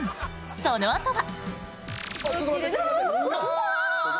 そのあとは。